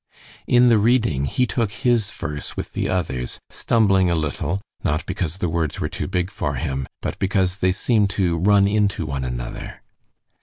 In the reading he took his verse with the others, stumbling a little, not because the words were too big for him, but because they seemed to run into one another.